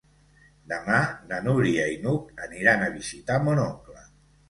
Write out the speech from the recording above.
Demà na Núria i n'Hug aniran a visitar mon oncle.